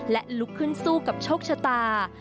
และลุกขึ้นสู้กับโชคชะตา